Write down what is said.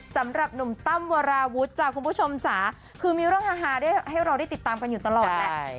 สำหรับหนุ่มตั้มวราวุฒิจ้ะคุณผู้ชมจ๋าคือมีเรื่องฮาได้ให้เราได้ติดตามกันอยู่ตลอดแหละ